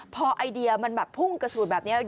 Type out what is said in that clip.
พอไอเดียมันแบบพุ่งกระสูดแบบนี้